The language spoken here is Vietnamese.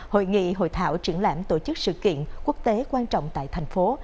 hội nghị hội thảo triển lãm tổ chức sự kiện quốc tế quan trọng tại thành phố